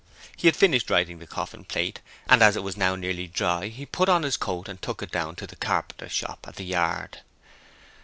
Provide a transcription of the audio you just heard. He had finished writing the coffin plate, and as it was now nearly dry he put on his coat and took it down to the carpenter's shop at the yard.